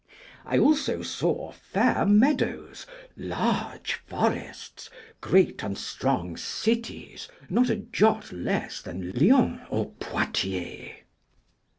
I saw also fair meadows, large forests, great and strong cities not a jot less than Lyons or Poictiers.